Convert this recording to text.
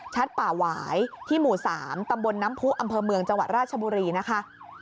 ป่าหวายที่หมู่๓ตำบลน้ำผู้อำเภอเมืองจังหวัดราชบุรีนะคะ